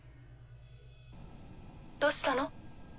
どうしたの？